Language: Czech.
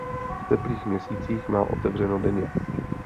V teplých měsících má otevřeno denně.